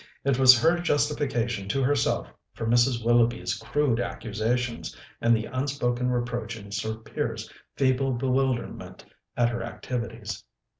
It was her justification to herself for Mrs. Willoughby's crude accusations and the unspoken reproach in Sir Piers's feeble bewilderment at her activities.